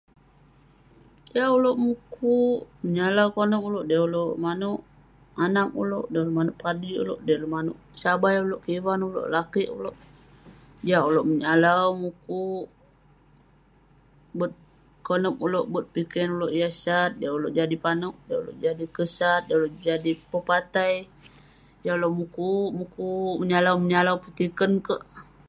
yah ulouk mukuk, menyalau konep ulouk m'dey ulouk manouk anag ulouk, m'dey manouk padik ulouk, m'dey ulouk manouk sabai ulouk, kivan ulouk, lakeik ulouk..Jiak ulouk menyalau..mukuk, bet konep ulouk, bet piken ulouk yah sat..m'dey ulouk jadi panouk..m'dey ulouk jadi kesat..m'dey ulouk jadi pepatai..jiak ulouk mukuk, mukuk..menyalau menyalau petikern kerk..